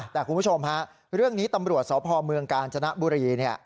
แต่คุณผู้ชมเรื่องนี้ตำรวจสภอเมืองกาญจนบุรี